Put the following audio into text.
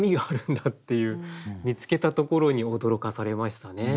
見つけたところに驚かされましたね。